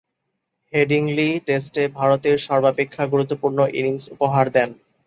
Headingley টেস্টে ভারতের সর্বাপেক্ষা গুরুত্বপূর্ণ ইনিংস উপহার দেন।